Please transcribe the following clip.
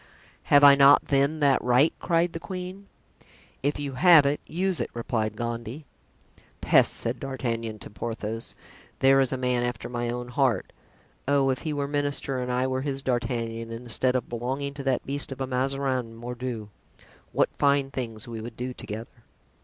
"Have I not, then, that right?" cried the queen. "If you have it, use it," replied Gondy. ("Peste!" said D'Artagnan to Porthos. "There is a man after my own heart. Oh! if he were minister and I were his D'Artagnan, instead of belonging to that beast of a Mazarin, mordieu! what fine things we would do together!"